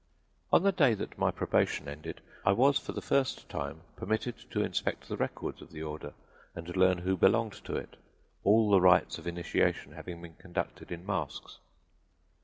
On the day that my probation ended I was for the first time permitted to inspect the records of the order and learn who belonged to it all the rites of initiation having been conducted in masks.